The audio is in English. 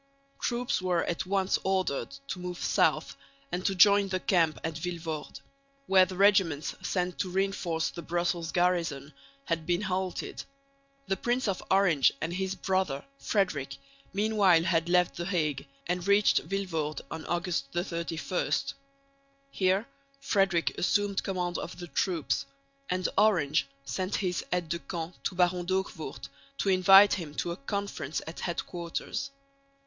Troops were at once ordered to move south and to join the camp at Vilvoorde, where the regiments sent to reinforce the Brussels garrison had been halted. The Prince of Orange and his brother Frederick meanwhile had left the Hague and reached Vilvoorde on August 31. Here Frederick assumed command of the troops; and Orange sent his aide de camp to Baron D'Hoogvoort to invite him to a conference at headquarters.